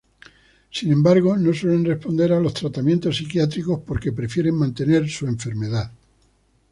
Sin embargo, no suelen responder a los tratamientos psiquiátricos porque prefieren mantener su enfermedad.